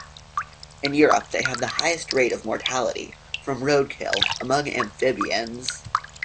In Europe they have the highest rate of mortality from roadkill among amphibians.